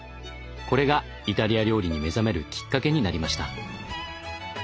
これがイタリア料理に目覚めるきっかけになりました。